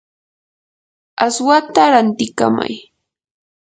aswata rantikamay.